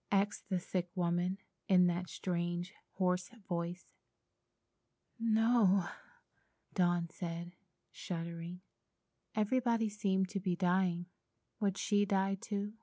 asked the sick woman, in that strangely hoarse voice. "No," said Dawn, shuddering. Everybody seemed to be dying.